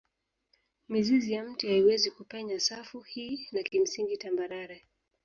Mizizi ya mti haiwezi kupenya safu hii na kimsingi tambarare